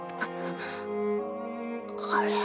あれ？